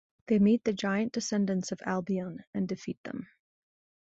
They meet the giant descendants of Albion and defeat them.